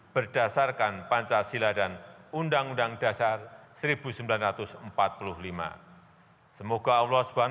bermakna keterangan pemerintah yang ditemukan itu berada di antara pemerintah yang terkenal dengan anggaran anggaran dan bentuk penyelesaian